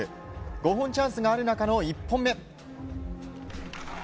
５本チャンスがある中の１本目。